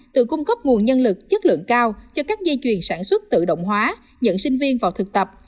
từ cung cấp nguồn nhân lực chất lượng cao cho các dây chuyền sản xuất tự động hóa nhận sinh viên vào thực tập